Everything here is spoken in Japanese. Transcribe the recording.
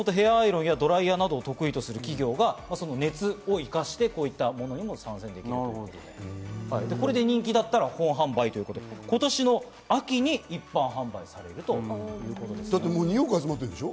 ヘアアイロンやドライヤーを得意とする企業が熱を生かして、こういったもので参戦したということで、これで人気だったら本販売ということで今年の秋に一般販売されるということなんです。